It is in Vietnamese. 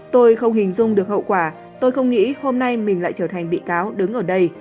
tôi không hình dung được hậu quả tôi không nghĩ hôm nay mình lại trở thành bị cáo đứng ở đây